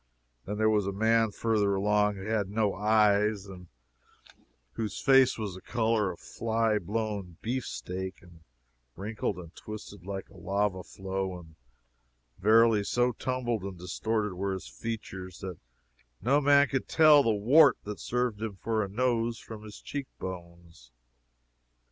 Then there was a man further along who had no eyes, and whose face was the color of a fly blown beefsteak, and wrinkled and twisted like a lava flow and verily so tumbled and distorted were his features that no man could tell the wart that served him for a nose from his cheek bones.